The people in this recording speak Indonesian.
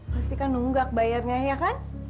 pasti kan nunggak bayarnya ya kan